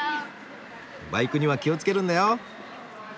バイクには気をつけるんだよ。